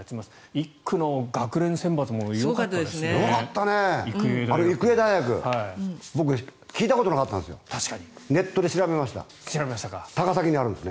１区の学連選抜もすごかったですね。